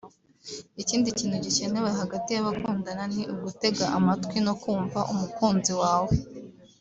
Ikindi kintu gikenewe hagati y’abakundana ni ugutega amatwi no kumva umukunzi wawe